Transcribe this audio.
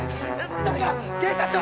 誰か警察を！